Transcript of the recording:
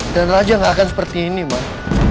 dan raja gak akan seperti ini mak